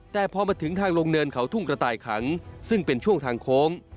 แต่พอมาถึงทางลงเนินเขาทุ่งกระต่ายขังซึ่งเป็นช่วงทางโค้ง